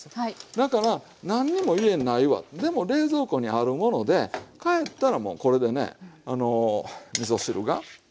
だから何にも家にないわでも冷蔵庫にあるもので帰ったらもうこれでねみそ汁が食べられるという話なんですわ。